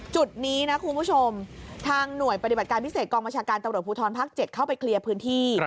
จุดนี้นะคุณผู้ชมทางหน่วยปฏิบัติการพิเศษกองบัญชาการตำรวจภูทรภาค๗เข้าไปเคลียร์พื้นที่